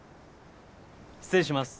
失礼します。